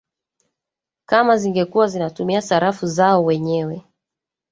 kama zingekuwa zinatumia sarafu zao wenyewe